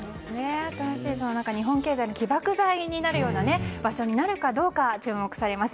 新しい日本経済の起爆剤になるかどうか注目されます。